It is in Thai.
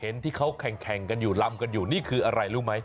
ที่เขาแข่งกันอยู่ลำกันอยู่นี่คืออะไรรู้ไหม